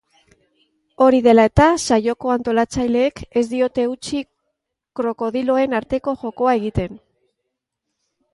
Hori dela eta, saioko antolatzaileek ez diote utzi krokodiloen arteko jokoa egiten.